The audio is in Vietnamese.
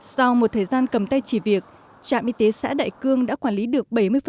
sau một thời gian cầm tay chỉ việc trạm y tế xã đại cương đã quản lý được